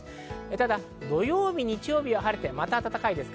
ただ土曜日、日曜日は晴れてまた暖かいです。